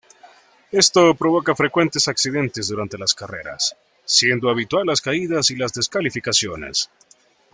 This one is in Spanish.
Esto provoca frecuentes accidentes durante las carreras, siendo habitual las caídas y las descalificaciones.